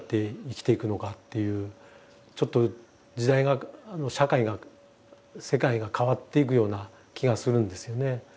ちょっと時代が社会が世界が変わっていくような気がするんですよね。